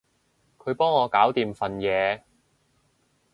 佢幫我搞掂份嘢